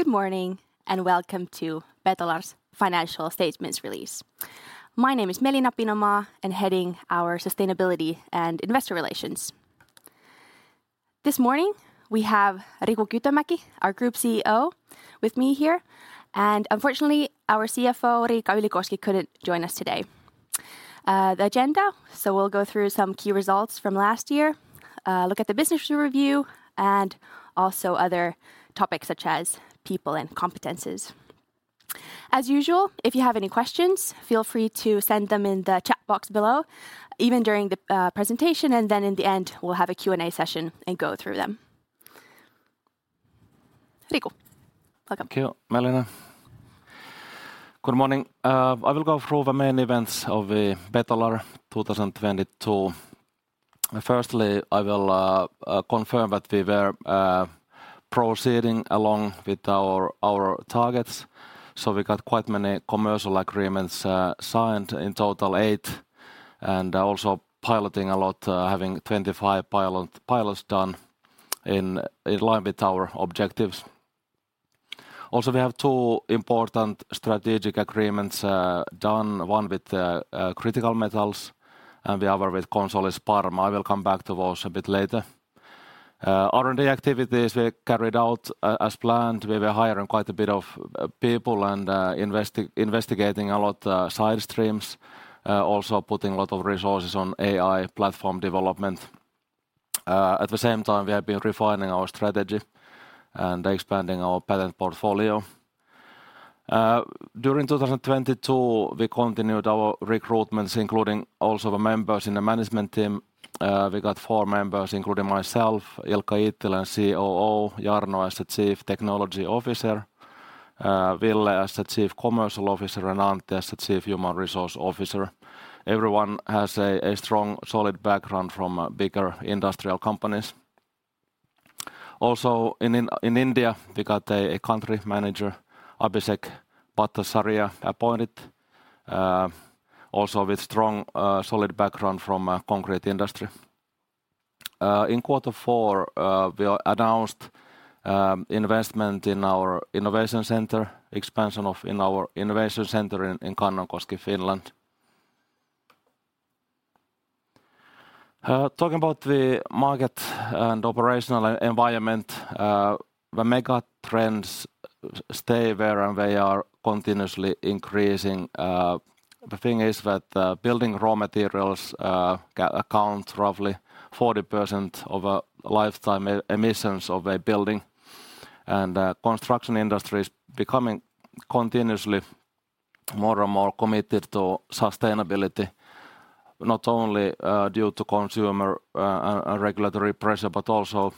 Good morning, welcome to Betolar's financial statements release. My name is Melina Pinomaa, I'm heading our sustainability and investor relations. This morning, we have Riku Kytömäki, our Group CEO, with me here, and unfortunately, our CFO, Riikka Ylikoski, couldn't join us today. The agenda, we'll go through some key results from last year, look at the business re-review, and also other topics such as people and competencies. As usual, if you have any questions, feel free to send them in the chat box below, even during the presentation, and then in the end, we'll have a Q&A session and go through them. Riku, welcome. Thank you, Melina. Good morning. I will go through the main events of Betolar 2022. Firstly, I will confirm that we were proceeding along with our targets, so we got quite many commercial agreements signed, in total eight, and also piloting a lot, having 25 pilots done in line with our objectives. Also, we have two important strategic agreements done, one with the Critical Metals, and the other with Consolis Parma. I will come back to those a bit later. R&D activities were carried out as planned. We were hiring quite a bit of people and investigating a lot, side streams, also putting a lot of resources on AI platform development. At the same time, we have been refining our strategy and expanding our patent portfolio. During 2022, we continued our recruitments, including also the members in the management team. We got four members including myself, Ilkka Iittiläinen, COO, Jarno Poskela as the Chief Technology Officer, Ville Voipio as the Chief Commercial Officer, and Antti Uski as the Chief Human Resources Officer. Everyone has a strong, solid background from bigger industrial companies. Also, in India, we got a Country Manager, Abhishek Bhattacharya, appointed, also with a strong, solid background from concrete industry. In quarter four, we announced investment in our innovation center, expansion of in our innovation center in Kannonkoski, Finland. Talking about the market and operational environment, the mega trends stay where they are, continuously increasing. The thing is that building raw materials account roughly 40% of a lifetime emissions of a building, and construction industry is becoming continuously more and more committed to sustainability, not only due to consumer regulatory pressure, but also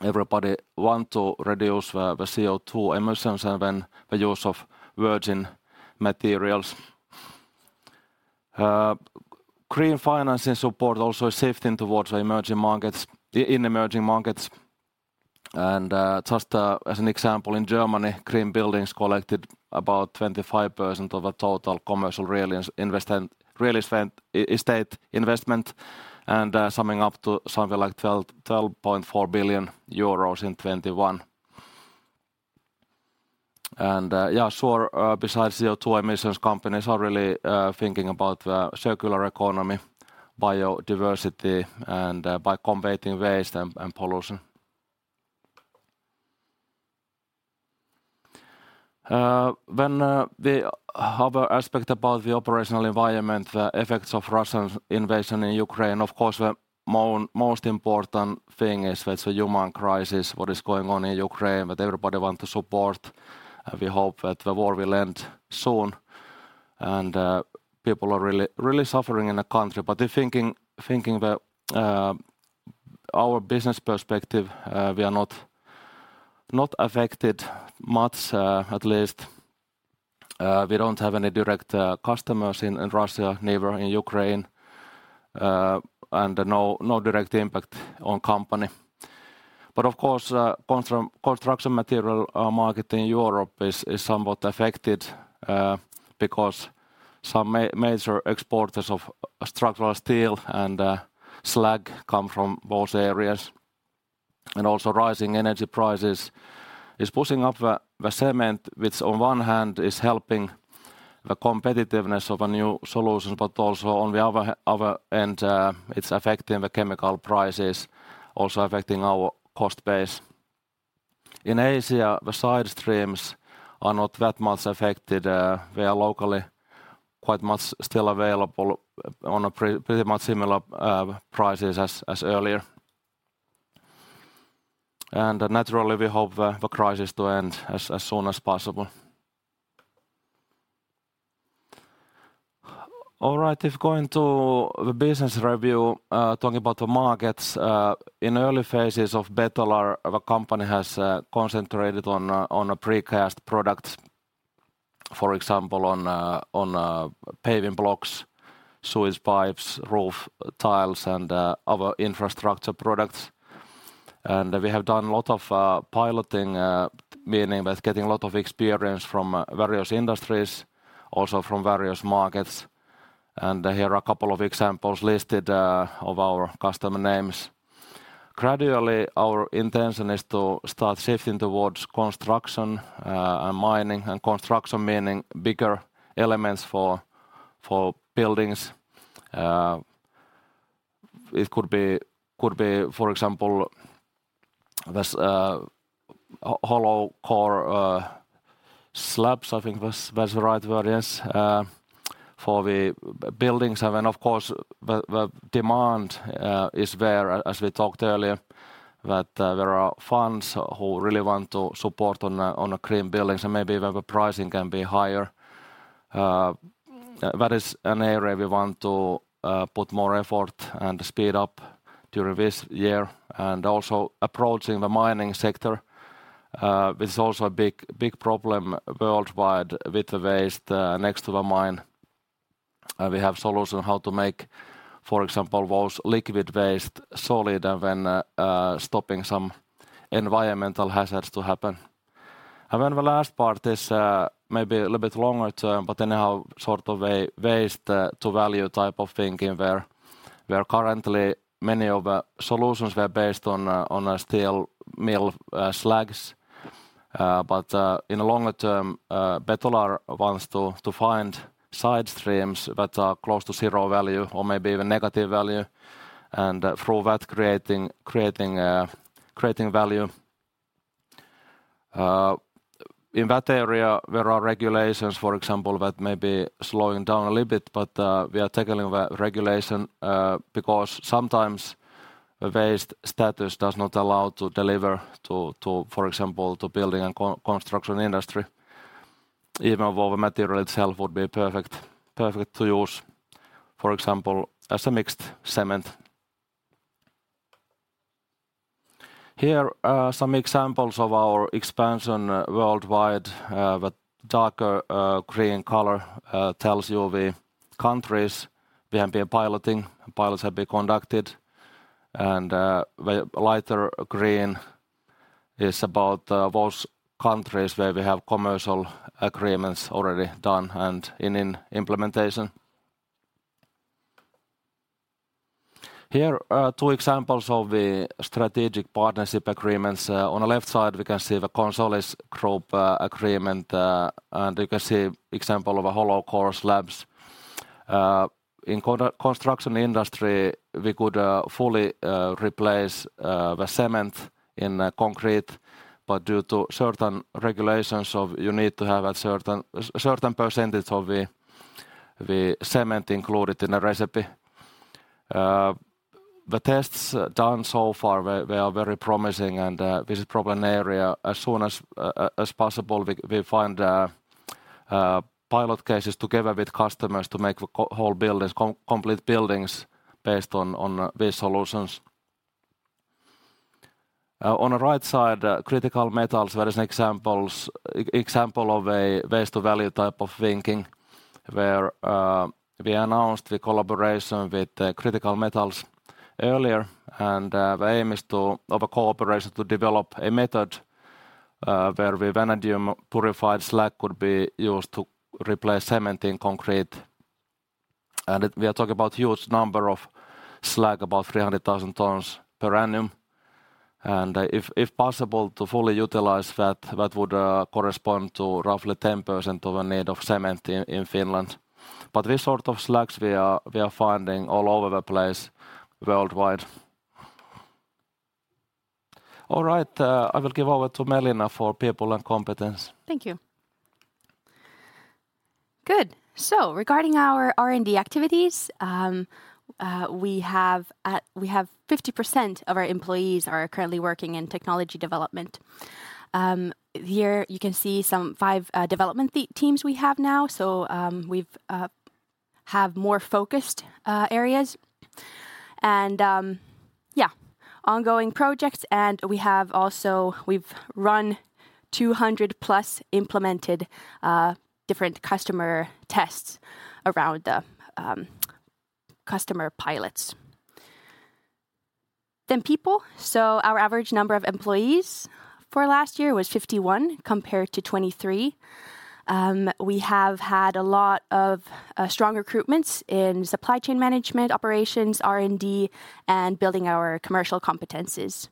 everybody want to reduce the CO2 emissions and the use of virgin materials. Green financing support also is shifting towards the emerging markets, in emerging markets. Just as an example, in Germany, green buildings collected about 25% of the total commercial real estate investment, summing up to something like 12.4 billion euros in 2021. Besides CO2 emissions, companies are really thinking about circular economy, biodiversity, and by combating waste and pollution. When the other aspect about the operational environment, the effects of Russia's invasion in Ukraine, of course, the most important thing is that it's a human crisis, what is going on in Ukraine, that everybody wants to support. We hope that the war will end soon. People are really suffering in the country. The thinking the our business perspective, we are not affected much, at least. We don't have any direct customers in Russia, neither in Ukraine. No direct impact on company. Of course, construction material market in Europe is somewhat affected because some major exporters of structural steel and slag come from those areas. Also rising energy prices is pushing up the cement, which on one hand is helping the competitiveness of a new solution, but also on the other end, it's affecting the chemical prices, also affecting our cost base. In Asia, the side streams are not that much affected. We are locally quite much still available on a pretty much similar prices as earlier. Naturally, we hope the crisis to end as soon as possible. All right. If going to the business review, talking about the markets, in early phases of Betolar, the company has concentrated on paving blocks, sewage pipes, roof tiles, and other infrastructure products. We have done a lot of piloting, meaning with getting a lot of experience from various industries, also from various markets. Here are a couple of examples listed of our customer names. Gradually, our intention is to start shifting towards construction and mining, and construction meaning bigger elements for buildings. It could be, for example, this hollow core slabs, I think that's the right word, yes, for the buildings. Then of course, the demand is there, as we talked earlier, that there are funds who really want to support on a green buildings, and maybe where the pricing can be higher. That is an area we want to put more effort and speed up during this year. Also approaching the mining sector, which is also a big, big problem worldwide, with the waste next to the mine. We havea solution how to make, for example, those liquid waste solid and then stopping some environmental hazards to happen. The last part is maybe a little bit longer term, but anyhow, sort of a waste to value type of thinking where currently many of the solutions were based on a steel mill slags. In the longer term, Betolar wants to find side streams that are close to zero value or maybe even negative value, and through that creating value. In that area, there are regulations, for example, that may be slowing down a little bit. We are tackling the regulation, because sometimes a waste status does not allow to deliver to, for example, to building and construction industry, even though the material itself would be perfect to use, for example, as a mixed cement. Here are some examples of our expansion worldwide. The darker green color tells you the countries we have been piloting, pilots have been conducted. The lighter green is about those countries where we have commercial agreements already done and in implementation. Here are two examples of the strategic partnership agreements. On the left side, we can see the Consolis Group agreement, and you can see example of a hollow core slabs. In the construction industry, we could fully replace the cement in the concrete, due to certain regulations of you need to have a certain percentage of the cement included in the recipe. The tests done so far were very promising. This is problem area. As soon as possible, we find pilot cases together with customers to make the whole buildings, complete buildings based on these solutions. On the right side, Critical Metals, there is an example of a waste-to-type of thinking, where we announced the collaboration with the Critical Metals earlier. The aim is of a cooperation to develop a method, where the vanadium-purified slag could be used to replace cement in concrete. We are talking about a huge number of slag, about 300,000 tons per annum. If possible, to fully utilize that would correspond to roughly 10% of the need of cement in Finland. These sort of slags we are finding all over the place worldwide. All right, I will give over to Melina for people and competence. Thank you. Good. Regarding our R&D activities, we have 50% of our employees are currently working in technology development. Here you can see some five development teams we have now. We have more focused areas. Ongoing projects, and we have also, we've run 200+ implemented different customer tests around the customer pilots. People. Our average number of employees for last year was 51 compared to 23. We have had a lot of strong recruitments in supply chain management operations, R&D, and building our commercial competencies.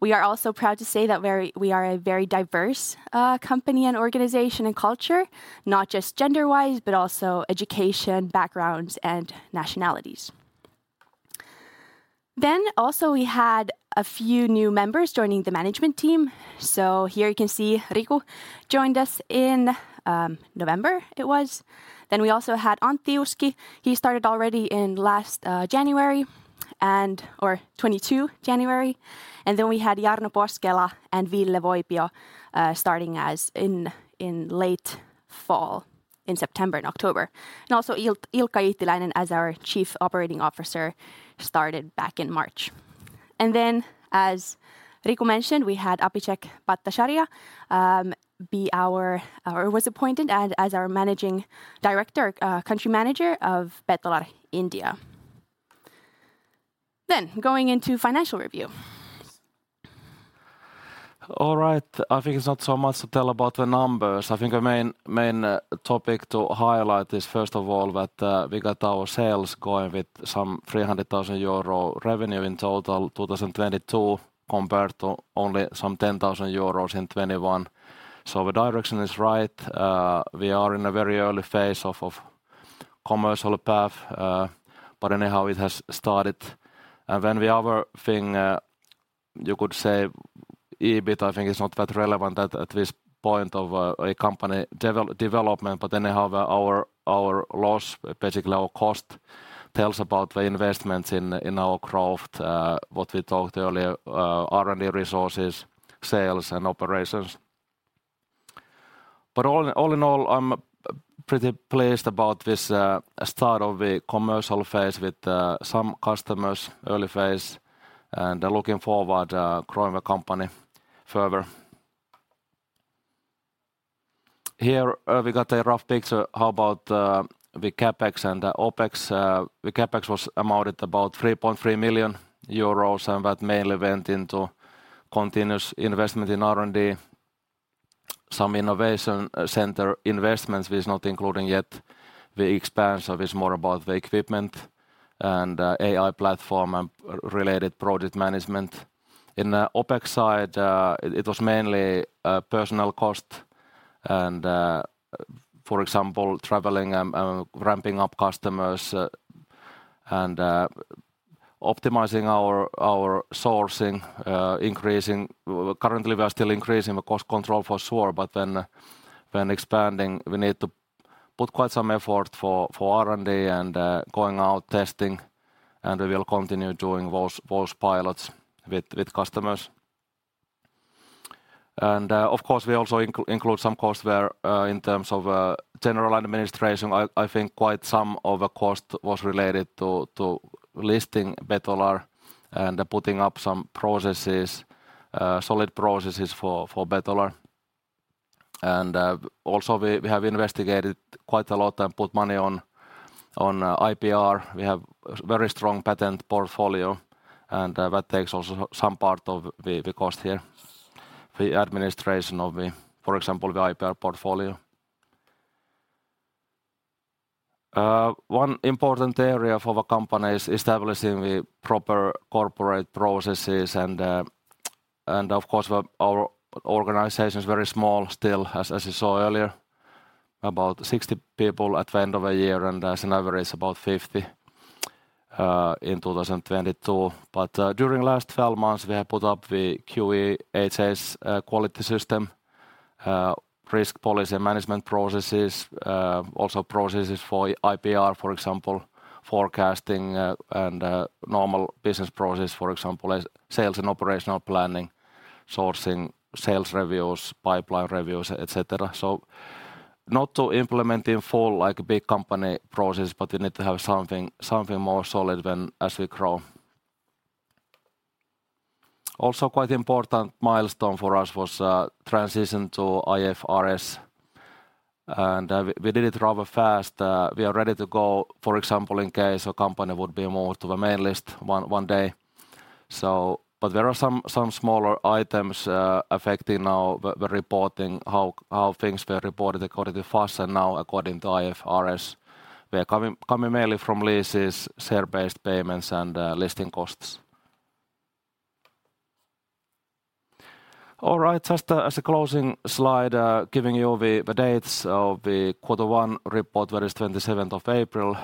We are also proud to say that we are a very diverse company and organization and culture, not just gender-wise, but also education, backgrounds, and nationalities. Also we had a few new members joining the management team. Here you can see Riku joined us in November it was. We also had Antti Uski. He started already in last January and or 2022 January. We had Jarno Poskela and Ville Voipio starting as in late fall, in September and October. Also Ilkka Iittiläinen as our Chief Operating Officer started back in March. As Riku mentioned, we had Abhishek Bhattacharya be our was appointed as our Managing Director, Country Manager of Betolar India. Going into financial review. All right. I think it's not so much to tell about the numbers. I think the main topic to highlight is first of all that we got our sales going with some 300,000 euro revenue in total 2022 compared to only some 10,000 euros in 2021. The direction is right. We are in a very early phase of commercial path, anyhow it has started. The other thing, you could say EBIT, I think it's not that relevant at this point of a company development, we have our loss, basically our cost tells about the investments in our growth, what we talked earlier, R&D resources, sales and operations. All in all, I'm pretty pleased about this start of a commercial phase with some customers, early phase, and looking forward growing the company further. Here, we got a rough picture how about the CapEx and the OpEx. The CapEx was amounted about 3.3 million euros, and that mainly went into continuous investment in R&D. Some innovation center investments is not including yet the expense of this, more about the equipment, and AI platform and related project management. In the OpEx side, it was mainly personal cost and, for example, traveling and ramping up customers and optimizing our sourcing, increasing... Currently we are still increasing the cost control for sure. When expanding, we need to put quite some effort for R&D and going out testing, and we will continue doing those pilots with customers. Of course, we also include some costs there in terms of general administration. I think quite some of the cost was related to listing Betolar and putting up some processes, solid processes for Betolar. Also we have investigated quite a lot and put money on IPR. We have a very strong patent portfolio, and that takes also some part of the cost here, the administration of the, for example, the IPR portfolio. One important area for the company is establishing the proper corporate processes, and of course, our organization is very small still, as you saw earlier, about 60 people at the end of the year, and as an average, about 50 in 2022. During last 12 months, we have put up the QEHS quality system, risk policy and management processes, also processes for IPR, for example, forecasting, and normal business process, for example, as sales and operational planning, sourcing, sales reviews, pipeline reviews, etc. Not to implement in full like a big company process, but you need to have something more solid when as we grow. Also quite important milestone for us was transition to IFRS, and we did it rather fast. We are ready to go, for example, in case a company would be moved to the main list one day. But there are some smaller items affecting our reporting, how things were reported according to FAS and now according to IFRS. We are coming mainly from leases, share-based payments, and listing costs. All right. Just as a closing slide, giving you the dates of the quarter one report that is 27th of April,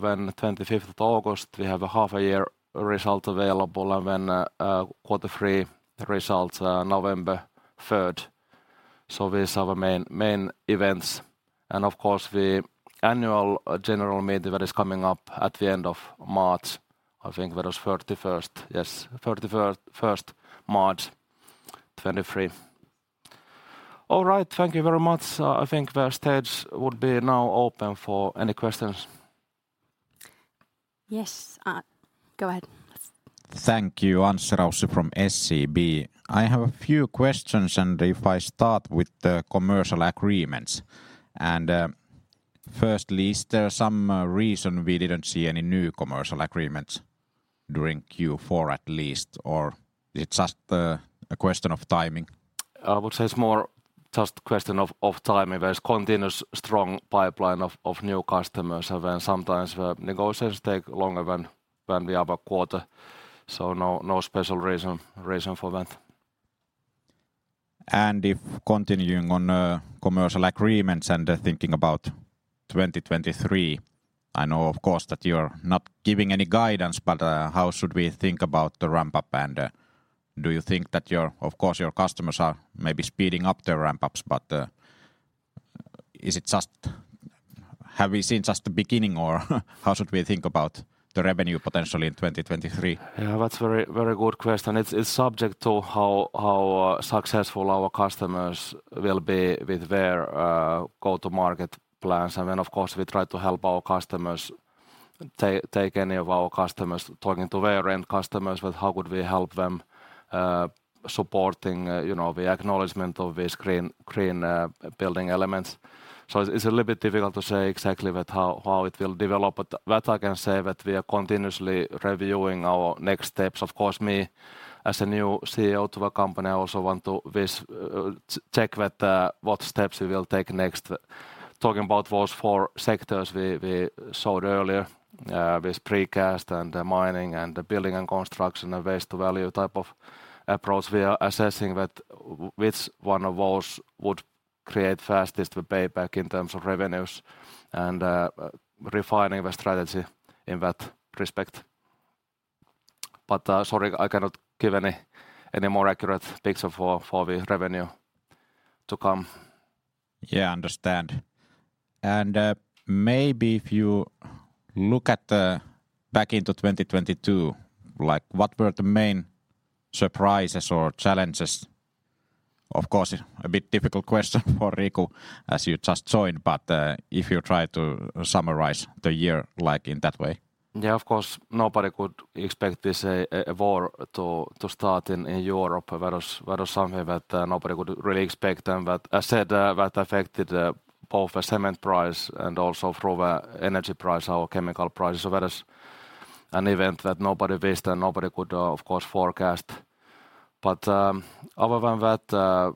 when 25th of August we have a half a year result available, and then quarter three results, November third. These are the main events. Of course, the annual general meeting that is coming up at the end of March, I think that was 31st. Yes, 31st March 2023. All right. Thank you very much. I think the stage would be now open for any questions. Yes. Go ahead. Thank you. Anssi Raussi from SEB. I have a few questions, and if I start with the commercial agreements. Firstly, is there some reason we didn't see any new commercial agreements during Q4 at least, or it's just a question of timing? I would say it's more just question of timing. There's continuous strong pipeline of new customers. Sometimes, negotiations take longer than the other quarter. No special reason for that. If continuing on, commercial agreements and thinking about 2023, I know of course that you're not giving any guidance, but, how should we think about the ramp-up, and, do you think that your... Of course, your customers are maybe speeding up their ramp-ups, but, Have we seen just the beginning or how should we think about the revenue potential in 2023? That's very, very good question. It's subject to how successful our customers will be with their go-to-market plans. I mean, of course, we try to help our customers. Take any of our customers talking to their end customers with how could we help them supporting, you know, the acknowledgement of this green building elements. It's a little bit difficult to say exactly with how it will develop, but what I can say that we are continuously reviewing our next steps. Of course, me as a new CEO to the company, I also want to check with what steps we will take next. Talking about those four sectors we showed earlier, with precast and the mining and the building and construction and waste to value type of approach, we are assessing which one of those would create fastest the payback in terms of revenues and refining the strategy in that respect. Sorry, I cannot give any more accurate picture for the revenue to come. Yeah, understand. Maybe if you look at the back into 2022, like, what were the main surprises or challenges? Of course, a bit difficult question for Riku, as you just joined, but, if you try to summarize the year, like, in that way. Yeah, of course, nobody could expect this war to start in Europe. That was something that nobody could really expect, and that I said, that affected both the cement price and also through the energy price, our chemical prices. That is an event that nobody wished and nobody could, of course forecast. Other than that,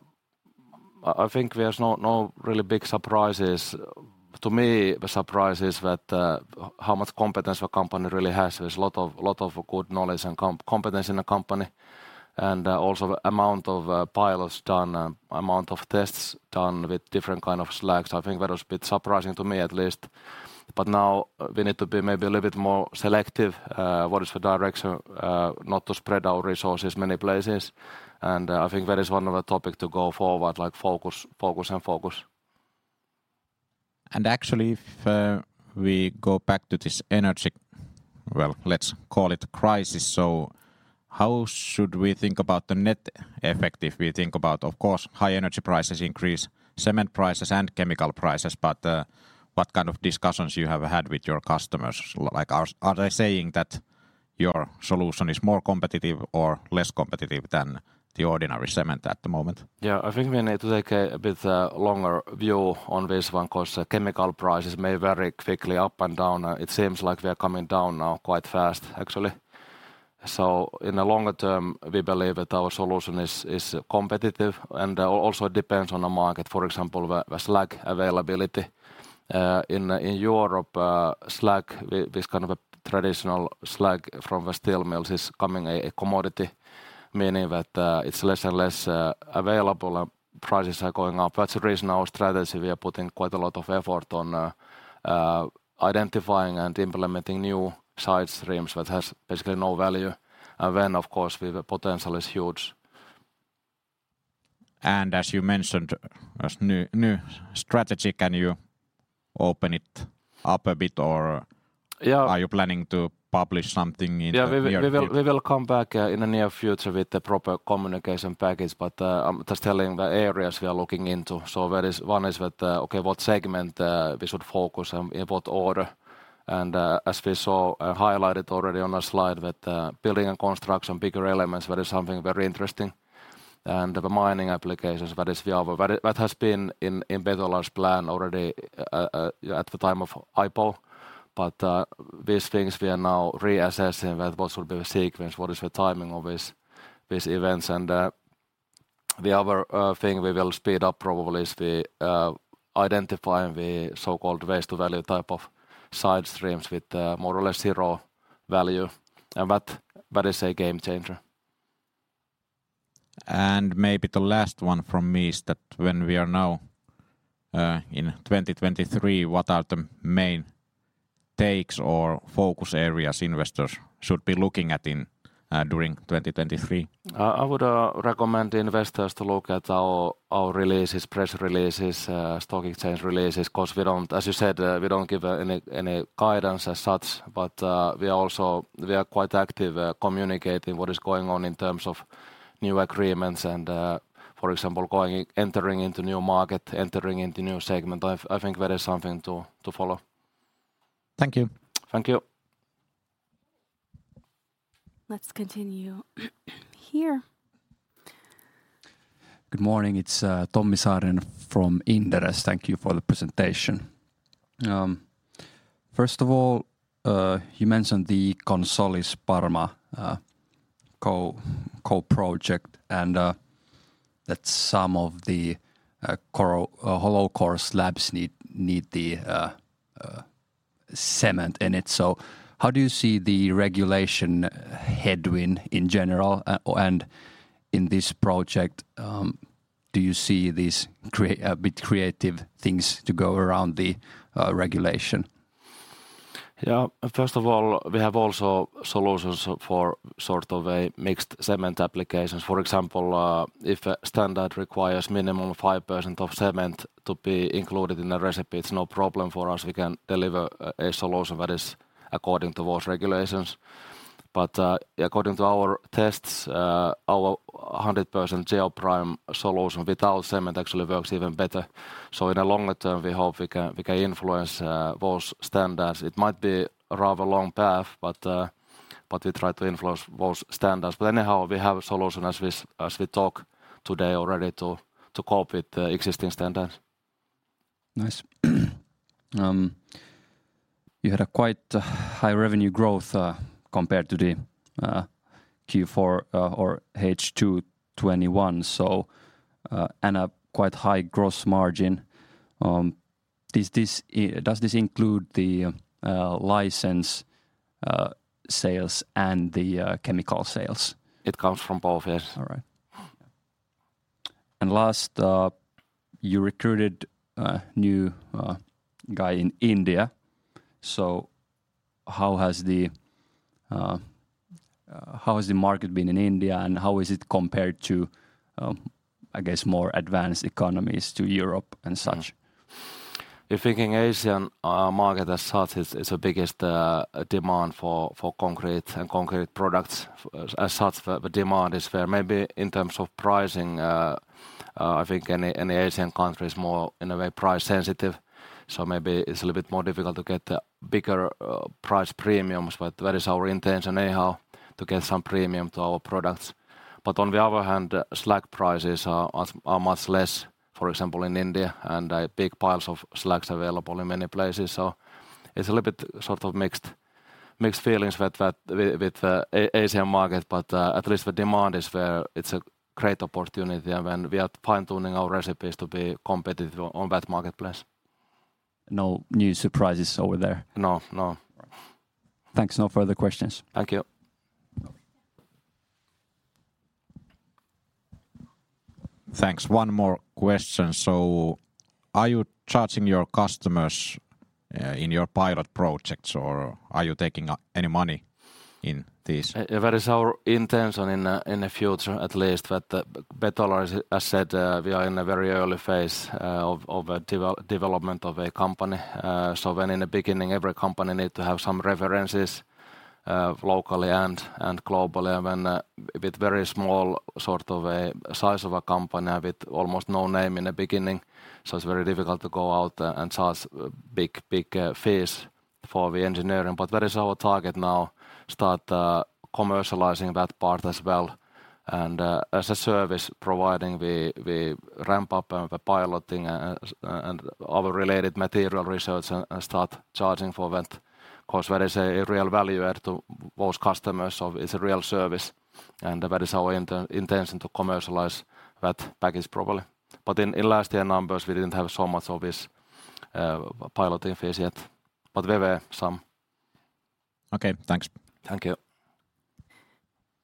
I think there's no really big surprises. To me, the surprise is that how much competence the company really has. There's a lot of good knowledge and competence in the company, and also the amount of pilots done, amount of tests done with different kind of slags. I think that was a bit surprising to me at least. Now, we need to be maybe a little bit more selective, what is the direction, not to spread our resources many places. I think that is one of the topic to go forward, like focus and focus. Actually if we go back to this energy. Well, let's call it crisis. How should we think about the net effect if we think about. Of course, high energy prices increase cement prices and chemical prices. What kind of discussions you have had with your customers? Like, are they saying that your solution is more competitive or less competitive than the ordinary cement at the moment? I think we need to take a bit longer view on this one 'cause chemical prices may vary quickly up and down. It seems like we are coming down now quite fast actually. In the longer term, we believe that our solution is competitive, and also it depends on the market, for example, the slag availability. In Europe, slag with kind of a traditional slag from the steel mills is becoming a commodity, meaning that it's less and less available and prices are going up. That's the reason our strategy, we are putting quite a lot of effort on identifying and implementing new side streams that has basically no value. Of course, with the potential is huge. As you mentioned, as new strategy, can you open it up a bit? Yeah are you planning to publish something in the near future? Yeah. We will come back in the near future with the proper communication package. I'm just telling the areas we are looking into. That is. One is with the, okay, what segment we should focus, and in what order. As we saw, I highlighted already on the slide with building and construction, bigger elements, that is something very interesting. The mining applications, that is the other. That has been in Betolar's plan already at the time of IPO. These things we are now reassessing with what should be the sequence, what is the timing of these events. The other thing we will speed up probably is the identifying the so-called waste to value type of side streams with more or less zero value. That is a game-changer. Maybe the last one from me is that when we are now, in 2023, what are the main takes or focus areas investors should be looking at in, during 2023? I would recommend investors to look at our releases, press releases, stock exchange releases because we don't. As you said, we don't give any guidance as such, but we are quite active communicating what is going on in terms of new agreements and, for example, entering into new market, entering into new segment. I think that is something to follow. Thank you. Thank you. Let's continue here. Good morning. It's Tommi Saarinen from Inderes. Thank you for the presentation. First of all, you mentioned the Consolis Parma co-project and that some of the hollow core slabs need the cement in it. How do you see the regulation headwind in general? And in this project, do you see these a bit of creative things to go around the regulation? Yeah. First of all, we have also solutions for sort of a mixed cement applications. For example, if a standard requires minimum 5% of cement to be included in the recipe, it's no problem for us. We can deliver a solution that is according to those regulations. According to our tests, our 100% Geoprime solution without cement actually works even better. In the longer term, we hope we can influence those standards. It might be a rather long path, but we try to influence those standards. Anyhow, we have a solution as we talk today already to cope with the existing standards. Nice. You had a quite high revenue growth compared to the Q4 or H2 2021, so and a quite high gross margin. Does this include the license sales and the chemical sales? It comes from both, yes. All right. Last, you recruited a new guy in India. How has the market been in India, and how is it compared to, I guess, more advanced economies to Europe and such? If thinking Asian market as such is the biggest demand for concrete and concrete products. As such, the demand is there. Maybe in terms of pricing, I think any Asian country is more in a way price sensitive, so maybe it's a little bit more difficult to get the bigger price premiums, but that is our intention anyhow to get some premium to our products. On the other hand, slag prices are much less, for example, in India, and big piles of slags available in many places. It's a little bit sort of mixed feelings with that, with the Asian market. At least the demand is there. It's a great opportunity, and when we are fine-tuning our recipes to be competitive on that marketplace. No new surprises over there? No, no. Thanks. No further questions. Thank you. Thanks. One more question. Are you charging your customers in your pilot projects, or are you taking any money in this? That is our intention in the future at least. But Betolar has said, we are in a very early phase of a development of a company. So when in the beginning, every company needs to have some references locally and globally, and when with very small sort of a size of a company with almost no name in the beginning, so it's very difficult to go out and charge big fees for the engineering. That is our target now, start commercializing that part as well, and as a service, providing the ramp-up and the piloting, and our related material research, and start charging for that. That is a real value add to those customers, so it's a real service, and that is our intention, to commercialize that package properly. In last year numbers, we didn't have so much of this, piloting fees yet, but there were some. Okay, thanks. Thank you.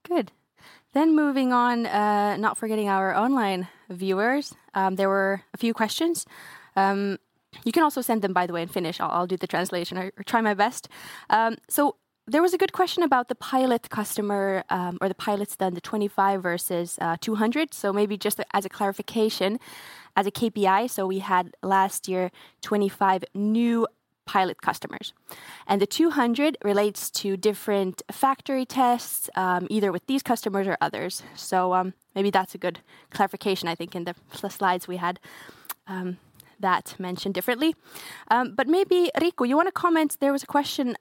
Good. Moving on, not forgetting our online viewers, there were a few questions. You can also send them by the way in Finnish. I'll do the translation or try my best. There was a good question about the pilot customer, or the pilots then, the 25 versus 200. Maybe just as a clarification, as a KPI, we had last year 25 new pilot customers, and the 200 relates to different factory tests, either with these customers or others. Maybe that's a good clarification. I think in the slides we had, that mentioned differently. Maybe, Riku, you wanna comment? There was a question,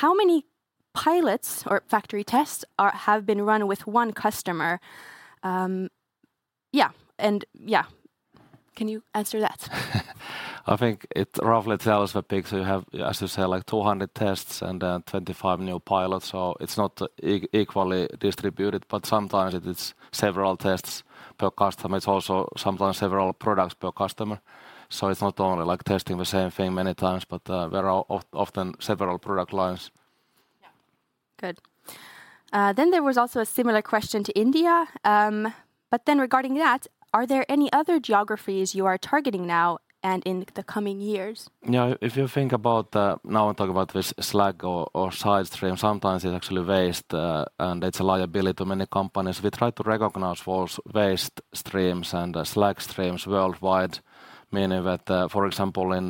how many pilots or factory tests have been run with one customer? Yeah, and yeah. Can you answer that? I think it roughly tells the picture. You have, as you say, like 200 tests and 25 new pilots, so it's not equally distributed. Sometimes it is several tests per customer. It's also sometimes several products per customer, so it's not only like testing the same thing many times, but, there are often several product lines. Yeah. Good. There was also a similar question to India, regarding that, are there any other geographies you are targeting now and in the coming years? Yeah. If you think about it, now I'm talking about this slag or side stream, sometimes it's actually waste, and it's a liability to many companies. We try to recognize those waste streams and slag streams worldwide, meaning that, for example in,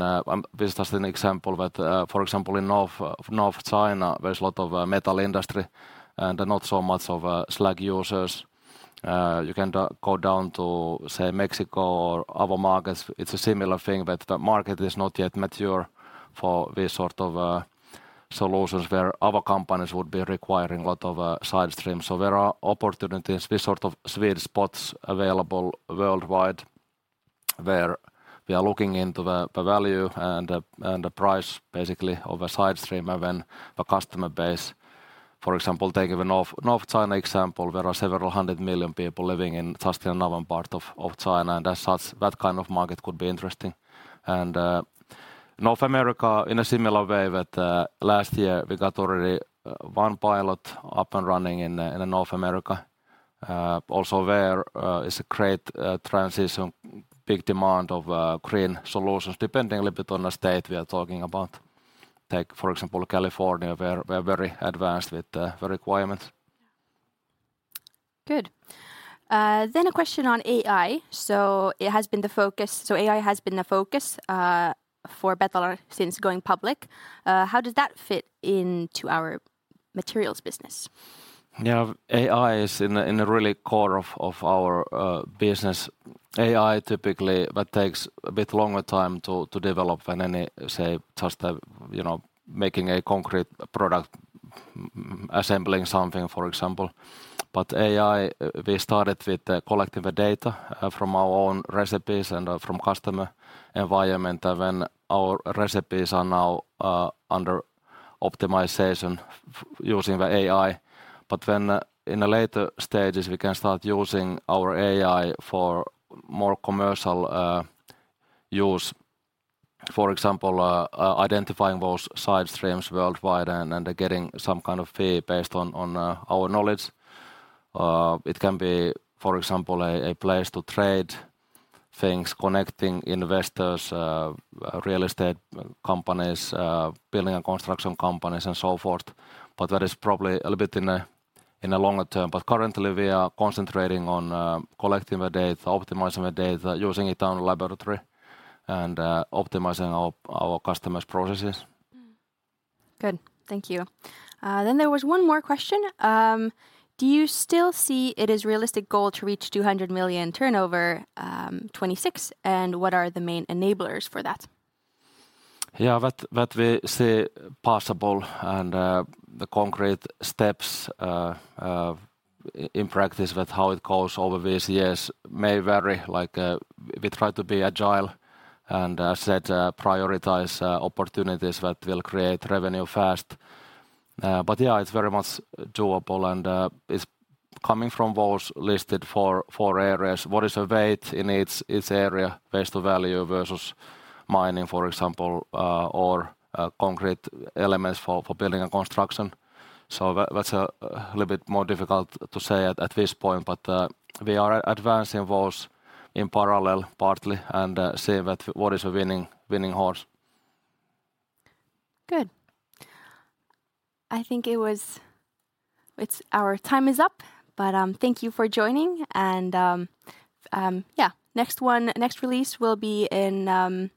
this is just an example, but, for example, in North China, there's a lot of metal industry and not so much of slag users. You can go down to, say, Mexico or other markets. It's a similar thing that the market is not yet mature for this sort of solutions where other companies would be requiring a lot of side stream. There are opportunities, these sort of sweet spots available worldwide where we are looking into the value and the price basically of a side stream and when the customer base. For example, take the North China example. There are several hundred million people living just in northern part of China, as such, that kind of market could be interesting. North America in a similar way with last year we got already one pilot up and running in North America. Also there is a great transition, big demand of green solutions, depending a little bit on the state we are talking about. Take for example California, where we're very advanced with the requirements. Good. A question on AI. AI has been the focus for Betolar since going public. How does that fit into our materials business? Yeah. AI is in the really core of our business. AI typically, that takes a bit longer time to develop than any, say, just, you know, making a concrete product, assembling something, for example. AI, we started with collecting the data from our own recipes and from customer environment. Our recipes are now under optimization using the AI. In the later stages we can start using our AI for more commercial use. For example, identifying those side streams worldwide and getting some kind of fee based on our knowledge. It can be, for example, a place to trade things, connecting investors, real estate companies, building and construction companies and so forth. That is probably a little bit in a longer-term. Currently we are concentrating on collecting the data, optimizing the data, using it on laboratory and optimizing our customers' processes. Good. Thank you. There was one more question. Do you still see it is realistic goal to reach 200 million turnover 2026? What are the main enablers for that? Yeah. That will seem possible, and the concrete steps in practice with how it goes over these years may vary. Like, we try to be agile and set prioritize opportunities that will create revenue fast. Yeah, it's very much doable, and it's coming from those listed four areas. What is the weight in each area, waste to value versus mining, for example, or concrete elements for building and construction? That's a little bit more difficult to say at this point, but we are advancing those in parallel partly and see that what is the winning horse. Good. I think it's our time is up, but, thank you for joining and, yeah. The next release will be in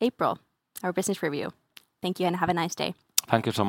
April, our business review. Thank you and have a nice day. Thank you so much.